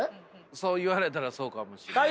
そう言われたらそうかもしれない。